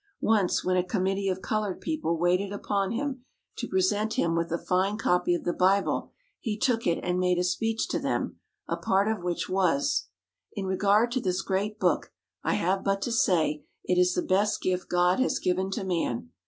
Once, when a Committee of Coloured People waited upon him, to present him with a fine copy of the Bible, he took it and made a speech to them, a part of which was: "In regard to this great book, I have but to say, it is the best gift God has given to man.